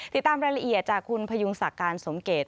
ติดตามรายละเอียดจากคุณพยุงศักดิ์การสมเกต